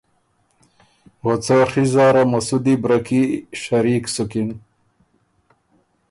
او څه ڒی زاره مسُودی برکي شریک سُکِن